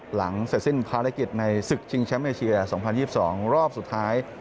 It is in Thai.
หลังเสร็จสิ้นภารกิจในศึกชิงแชมป์เอเชีย๒๐๒๒รอบสุดท้าย